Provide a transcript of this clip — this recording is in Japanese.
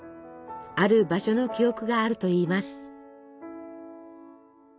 ある場所の記憶があるといいます。